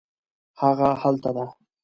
هغه هلته ده